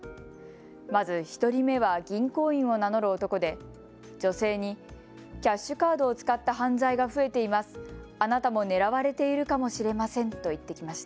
まず１人目は銀行員を名乗る男で女性に、キャッシュカードを使った犯罪が増えています。